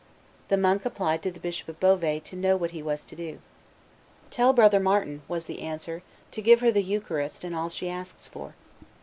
The monk applied to the Bishop of Beauvais to know what he was to do. "Tell brother Martin," was the answer, "to give her the eucharist and all she asks for."